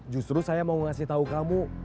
justru saya mau ngasih tahu kamu